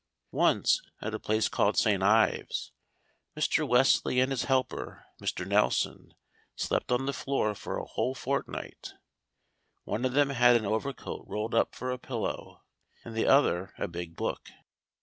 Once, at a place called St. Ives, Mr. Wesley and his helper, Mr. Nelson, slept on the floor for a whole fortnight. One of them had an overcoat rolled up for a pillow, and the other a big book.